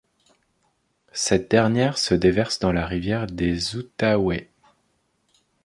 Cette dernière se déverse dans la rivière des Outaouais.